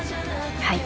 はい。